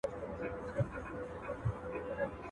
کرنه زموږ لرغونی دود دی.